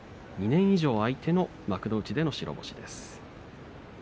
２年以上空いての幕内での白星でした。